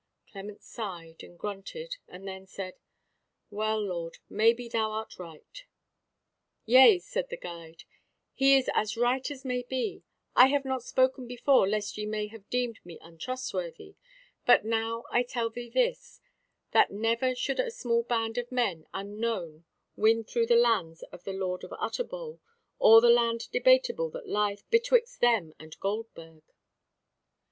Clement sighed and grunted, and then said: "Well, lord, maybe thou art right." "Yea," said the guide, "he is as right as may be: I have not spoken before lest ye might have deemed me untrusty: but now I tell thee this, that never should a small band of men unknown win through the lands of the Lord of Utterbol, or the land debatable that lieth betwixt them and Goldburg."